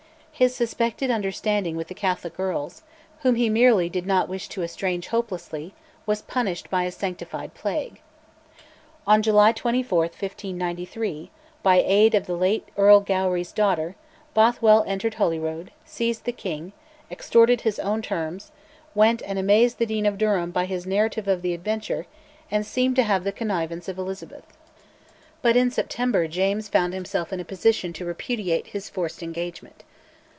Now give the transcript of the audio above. His suspected understanding with the Catholic earls, whom he merely did not wish to estrange hopelessly, was punished by a sanctified plague. On July 24, 1593, by aid of the late Earl Gowrie's daughter, Bothwell entered Holyrood, seized the king, extorted his own terms, went and amazed the Dean of Durham by his narrative of the adventure, and seemed to have the connivance of Elizabeth. But in September James found himself in a position to repudiate his forced engagement.